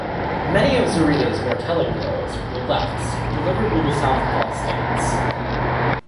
Many of Zurita's more telling blows were lefts delivered with a southpaw stance.